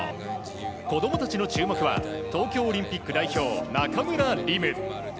子供たちの注目は東京オリンピック代表中村輪夢。